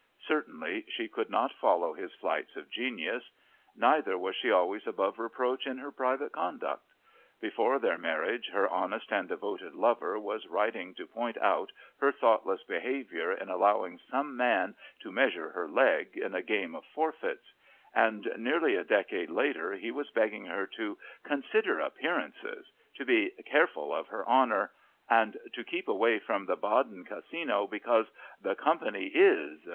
Certainly, she could not follow his flights of genius; neither was she always above reproach in her private conduct. Before their marriage her "honest and devoted" lover was writing to point out her thoughtless behavior in allowing some man "to measure her leg" in a game of forfeits; and nearly a decade later he was begging her "to consider appearances," to be "careful of her honor," and to keep away from the Baden casino because "the company is